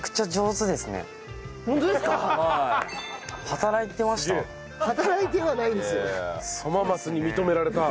働いてました？